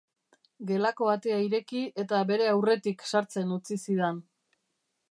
Gelako atea ireki eta bere aurretik sartzen utzi zidan.